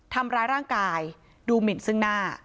ทำร้ายร่างกายดูหมินซึ่งหน้า